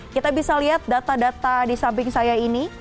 kita bisa lihat data data di samping saya ini